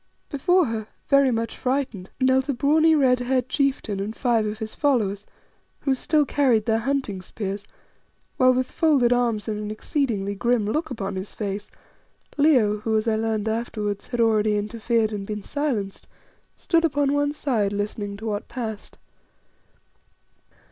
Before her, very much frightened, knelt a brawny, red haired chieftain and five of his followers, who still carried their hunting spears, while with folded arms and an exceedingly grim look upon his face, Leo, who, as I learned afterwards, had already interfered and been silenced, stood upon one side listening to what passed.